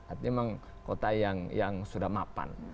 artinya memang kota yang sudah mapan